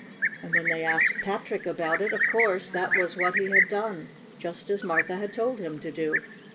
And when they asked Patrick about it, of course that was what he had done ; just as Martha had told him to do.